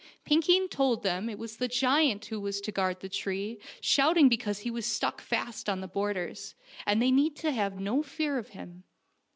Pinkeen told them it was the giant who was to guard the tree, shout ing because he was stuck fast on the borders, and they need have no fear of him.